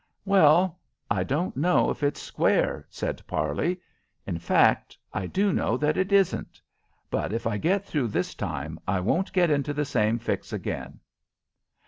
"Well, I don't know if it's square," said Parley. "In fact, I do know that it isn't; but if I get through this time I won't get into the same fix again."